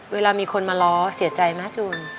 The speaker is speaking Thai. เวลามีคนมาล้อเสียใจไหมจูน